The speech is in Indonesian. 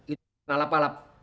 iduh kenal apalap